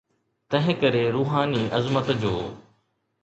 تنهنڪري روحاني عظمت جو.